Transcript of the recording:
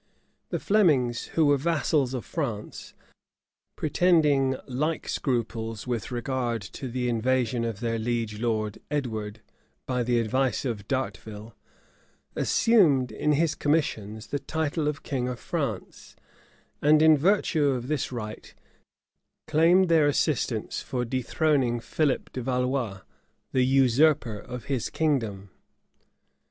[*] The Flemings, who were vassals of France, pretending like scruples with regard to the invasion of their liege lord; Edward, by the advice of d'Arteville, assumed, in his commissions, the title of king of France; and, in virtue of this right, claimed their assistance for dethroning Philip de Valois, the usurper of his kingdom.[] * Froissard, liv. i. chap. 35. Heming. p. 303. Walsing. p. 143.